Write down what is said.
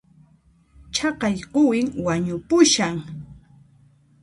Chaqay quwin wañupushan